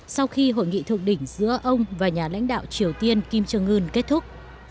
sau khi hội nghị thượng đỉnh giữa ông và nhà lãnh đạo triều tiên kim jong un kết thúc